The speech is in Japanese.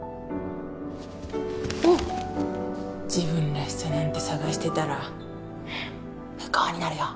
おっ自分らしさなんて探してたら不幸になるよ